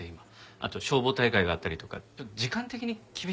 あと消防大会があったりとか時間的に厳しいと思うんですよ。